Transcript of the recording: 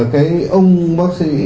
cái ông bác sĩ